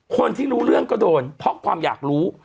คนที่รู้เรื่องก็โดนเพราะความอยากรู้